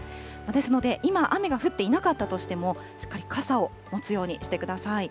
ですので今、雨が降っていなかったとしても、しっかり傘を持つようにしてください。